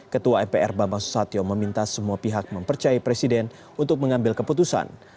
ketua mpr bambang susatyo meminta semua pihak mempercayai presiden untuk mengambil keputusan